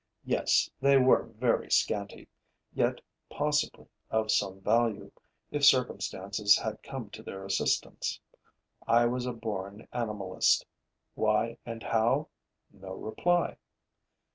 Yes, they were very scanty, yet possibly of some value, if circumstances had come to their assistance. I was a born animalist. Why and how? No reply.